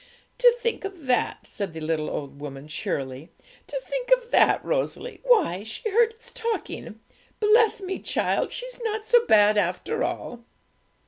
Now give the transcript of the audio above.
'To think of that!' said the little old woman cheerily. 'To think of that, Rosalie! Why, she heard us talking; bless me, child! she's not so bad after all.'